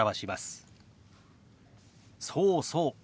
そうそう。